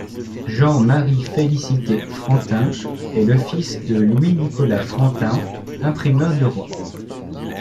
Jean-Marie-Félicité Frantin est le fils de Louis-Nicolas Frantin, imprimeur du roi.